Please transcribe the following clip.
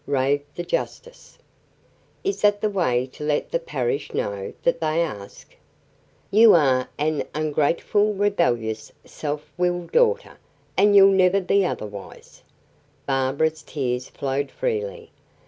'" raved the justice. "Is that the way to let the parish know that they ask? You are an ungrateful, rebellious, self willed daughter, and you'll never be otherwise." Barbara's tears flowed freely.